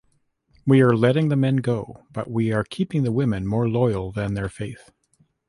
We are letting the men go, but we are keeping the women more loyal than their faith.